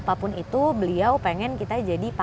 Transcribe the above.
jadi apapun itu beliau pengen kita jadi perempuan